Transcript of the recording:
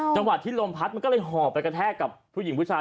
จังหวัดที่ลมพัดมันก็เลยหอบไปกระแทกกับผู้หญิงผู้ชาย